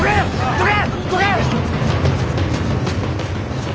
どけ！